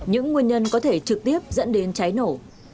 những nguyên nhân có thể trực tiếp dẫn đến cháy nổ